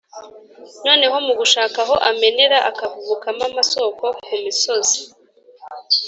noneho mu gushaka aho amenera akavubukamo amasoko ku misozi.